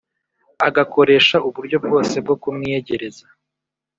agakoresha uburyo bwose bwo kumwiyegereza